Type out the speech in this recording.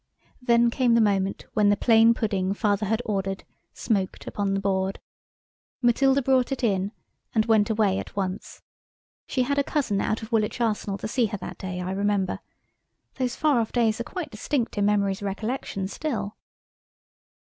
Then came the moment when the plain pudding Father had ordered smoked upon the board. Matilda brought it in and went away at once. She had a cousin out of Woolwich Arsenal to see her that day, I remember. Those far off days are quite distinct in memory's recollection still.